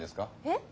えっ？